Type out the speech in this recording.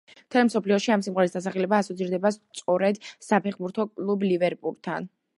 მთელ მსოფლიოში ამ სიმღერის დასახელება ასოცირდება სწორედ საფეხბურთო კლუბ „ლივერპულთან“.